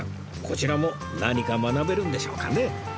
こちらも何か学べるんでしょうかね？